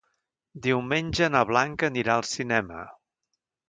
Diumenge na Blanca anirà al cinema.